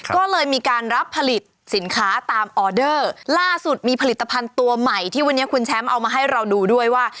ก็เลยมีการรับผลิตสินค้าตามออเดอร์ล่าสุดมีผลิตภัณฑ์ตัวใหม่ที่วันนี้คุณแชมป์เอามาให้เราดูด้วยว่า